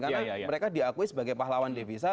karena mereka diakui sebagai pahlawan devisa